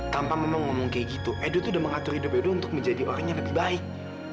tanpa memang ngomong kayak gitu eh dia tuh udah mengatur hidup edo untuk menjadi orang yang lebih baik